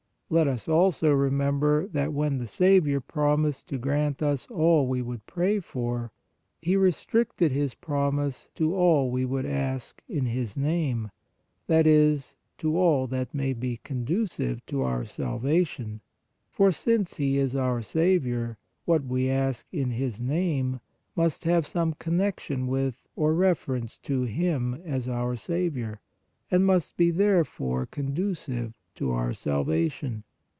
Let us also remember that when the Saviour promised to grant us all we would pray for, He restricted His promise to all we would ask in His name, that is, to all that may be conducive to our salvation, for, since He is our Saviour, what we ask in His name must have some connection with or reference to Him as our Saviour, and must be therefore con ducive to our salvation.